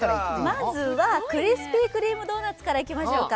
まずはクリスピー・クリーム・ドーナツからいきましょうか。